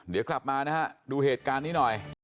เดี๋ยวกลับมานะฮะดูเหตุการณ์นี้หน่อย